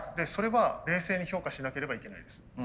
それは冷静に評価しなければいけないです。